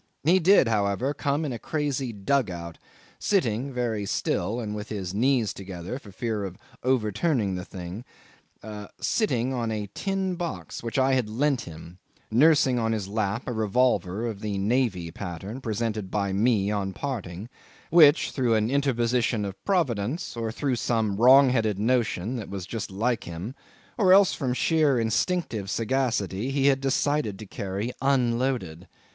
He did, however, come in a crazy dug out, sitting (very still and with his knees together, for fear of overturning the thing) sitting on a tin box which I had lent him nursing on his lap a revolver of the Navy pattern presented by me on parting which, through an interposition of Providence, or through some wrong headed notion, that was just like him, or else from sheer instinctive sagacity, he had decided to carry unloaded.